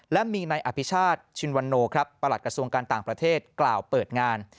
และมีในอภิชาติชินวันโนครับประหลัดกระทรวงการต่างประเทศกล่าวเปิดงาน